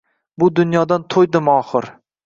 Bu dunyodan to’ydim oxir